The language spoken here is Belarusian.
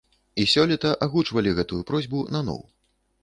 І сёлета агучвалі гэтую просьбу наноў.